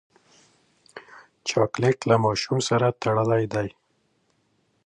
چاکلېټ له ماشومتوب سره تړلی دی.